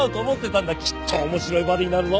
きっと面白いバディになるぞ。